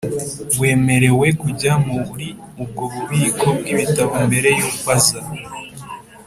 Wemerewe kujya muri ubwo bubiko bw ibitabo mbere y uko aza